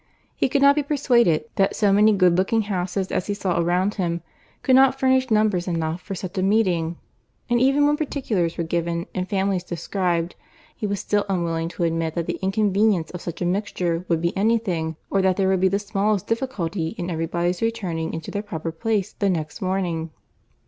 He could not be persuaded that so many good looking houses as he saw around him, could not furnish numbers enough for such a meeting; and even when particulars were given and families described, he was still unwilling to admit that the inconvenience of such a mixture would be any thing, or that there would be the smallest difficulty in every body's returning into their proper place the next morning.